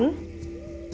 trước đây nói đến